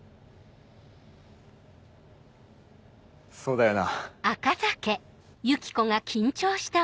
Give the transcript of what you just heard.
そうだよな。